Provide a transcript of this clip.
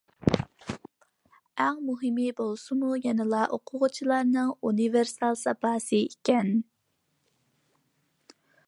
ئەڭ مۇھىمى بولسا يەنىلا ئوقۇغۇچىلارنىڭ ئۇنىۋېرسال ساپاسى ئىكەن.